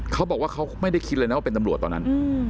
เขาบอกว่าเขาไม่ได้คิดเลยนะว่าเป็นตำรวจตอนนั้น